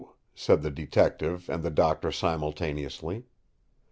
said the Detective and the Doctor simultaneously.